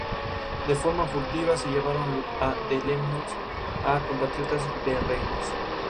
De forma furtiva se llevaron de Lemnos a sus compatriotas rehenes.